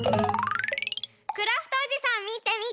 クラフトおじさんみてみて。